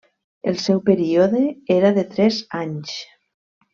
El seu període era de tres anys.